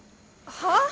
はあ！？